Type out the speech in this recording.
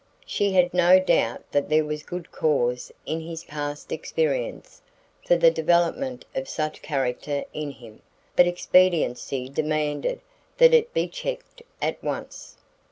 She had no doubt that there was good cause in his past experience for the development of such character in him, but expediency demanded that it be checked at once.